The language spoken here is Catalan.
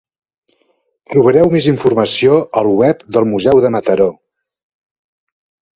Trobareu més informació al web del Museu de Mataró.